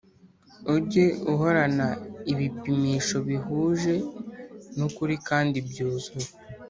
Ujye uhorana ibipimisho bihuje n ukuri kandi byuzuye